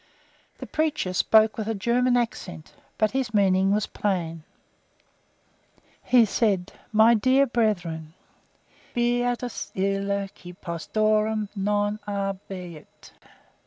The preacher spoke with a German accent, but his meaning was plain. He said: "My dear brethren' 'Beatus ille qui post aurum non abiit'.